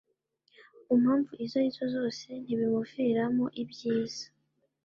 ku mpamvu izo ari zo zose ntibimuviramo ibyiza